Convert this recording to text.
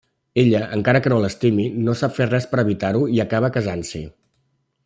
Ella, encara que no l'estimi, no sap fer res per evitar-ho i acaba casant-s'hi.